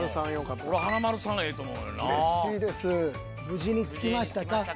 「無事に着きましたか？」。